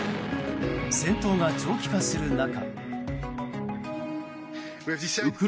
戦闘が長期化する中。